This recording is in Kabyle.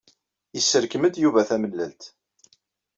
Yesserkem-d Yuba tamellalt.